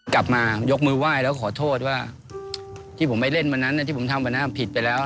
กลับมายกมือไหว้แล้วขอโทษว่าที่ผมไปเล่นวันนั้นที่ผมทำวันนั้นผิดไปแล้ว